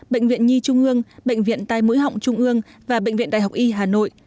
bệnh viện nhi trung ương bệnh viện tai mũi họng trung ương và bệnh viện đại học y hà nội